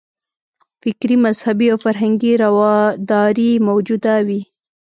فکري، مذهبي او فرهنګي رواداري موجوده وي.